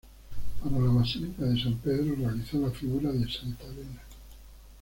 Para la basílica de San Pedro realizó la figura de "Santa Elena".